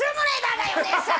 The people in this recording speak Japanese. だよ姉さん！